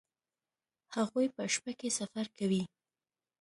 هغوی په شپه کې سفر کوي